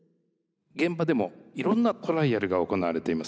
現場でもいろんなトライアルが行われています。